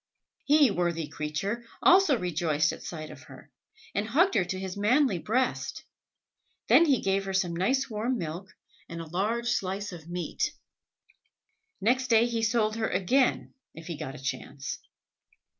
He, worthy creature, also rejoiced at sight of her, and hugged her to his manly breast. Then he gave her some nice warm milk, and a large slice of meat. Next day he sold her again, if he got a chance.